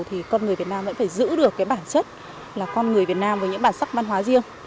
thì con người việt nam vẫn phải giữ được cái bản chất là con người việt nam với những bản sắc văn hóa riêng